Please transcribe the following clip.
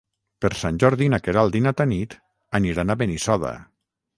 Per Sant Jordi na Queralt i na Tanit aniran a Benissoda.